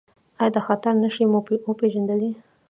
ایا د خطر نښې مو وپیژندلې؟